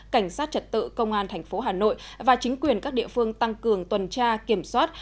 cảnh sát trật tự công an thành phố hà nội và chính quyền các địa phương tăng cường tuần tra kiểm soát